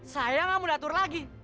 saya gak mau datur lagi